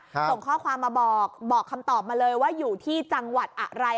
ส่งข้อความมาบอกบอกคำตอบมาเลยว่าอยู่ที่จังหวัดอะไร